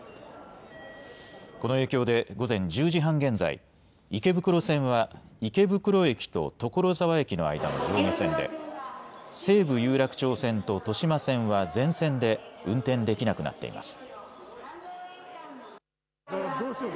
この影響で午前１０時半現在、池袋線は池袋駅と所沢駅の間の上下線で、西武有楽町線と豊島線は全線で運転できなくなっています。